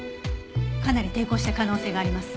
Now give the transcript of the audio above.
かなり抵抗した可能性があります。